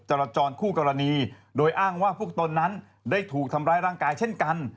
จรจรคู่กรณีโดยอ้างว่าพวกตนนั้นได้ถูกทำร้ายร่างกายเช่นกัน